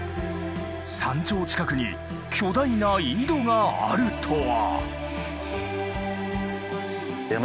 山頂近くに巨大な井戸があるとは！